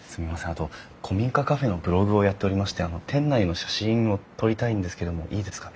あと古民家カフェのブログをやっておりまして店内の写真を撮りたいんですけどもいいですかね？